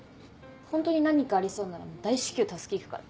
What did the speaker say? ホントに何かありそうなら大至急助け行くから。